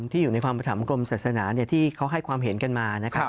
ที่อยู่ในความประถามกรมศาสนาที่เขาให้ความเห็นกันมานะครับ